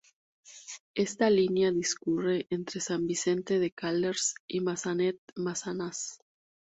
Esta línea discurre entre San Vicente de Calders y Massanet-Massanas.